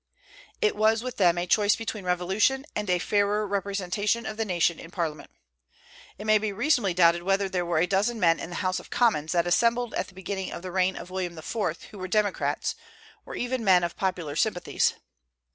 It was, with them, a choice between revolution and a fairer representation of the nation in Parliament. It may be reasonably doubted whether there were a dozen men in the House of Commons that assembled at the beginning of the reign of William IV. who were democrats, or even men of popular sympathies.